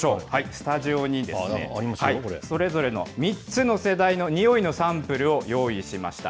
スタジオに、それぞれの３つの世代のにおいのサンプルを用意しました。